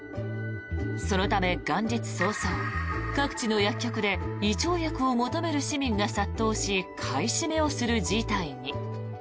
そのため元日早々、各地の薬局で胃腸薬を求める市民が殺到し買い占めをする事態に。